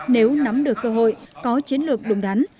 nếu nắm được cơ hội có chiến lược đúng đắn